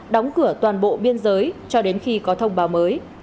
đóng cửa toàn bộ biên giới cho đến khi có thông báo mới